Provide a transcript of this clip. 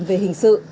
về hình sự